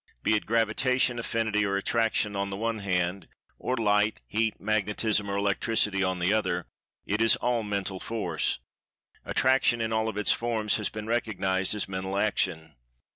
Be it Gravitation, Affinity or Attraction, on the one hand—or Light, Heat, Magnetism or Electricity on the other—it is all Mental Force. Attraction in all of its forms has been recognized as Mental Action.